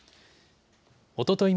おととい